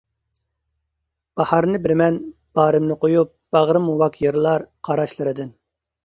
باھارنى بېرىمەن، بارىمنى قويۇپ، باغرىم ۋاك يېرىلار قاراشلىرىدىن.